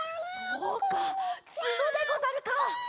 そうかつのでござるか！